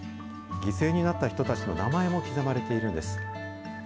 犠牲になった人たちの名前も刻まれているんです。